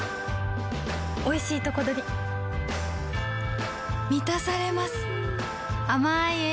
おいしいとこどりみたされます